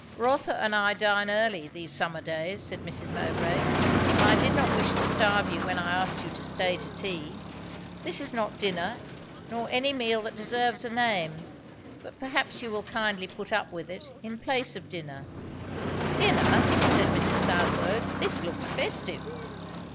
"Rotha and I dine early, these summer days," said Mrs. Mowbray; "and I did not wish to starve you when I asked you to stay to tea. This is not dinner, nor any meal that deserves a name but perhaps you will kindly put up with it, in place of dinner." "Dinner!" said Mr. Southwode. "This looks festive!"